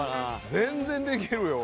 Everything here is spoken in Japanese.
全然できるよ。